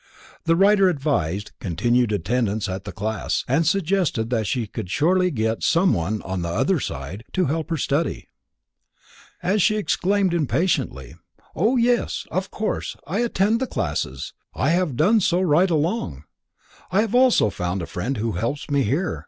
The writer advised continued attendance at the classes, and suggested that she could surely get someone "on the other side" to help her study. At this she exclaimed impatiently: "Oh yes! of course I attend the classes, I have done so right along; I have also found a friend who helps me here.